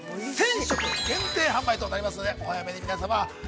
１０００食、限定販売となりますので、お早めに、皆様。